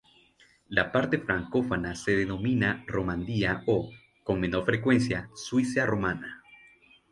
La parte francófona se denomina Romandía o, con menor frecuencia, "Suiza romana".